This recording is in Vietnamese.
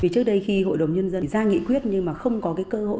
trước đây khi hội đồng nhân dân ra nghị quyết nhưng mà không có cơ hội